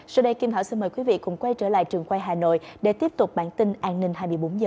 sau đây kim thảo xin mời quý vị cùng quay trở lại trường quay hà nội để tiếp tục bản tin an ninh hai mươi bốn h